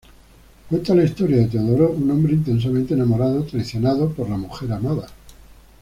Cuenta la historia de Teodoro, un hombre intensamente enamorado, traicionado por la mujer amada.